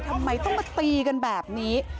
ทำไมต้องมาตีกันแบบนี้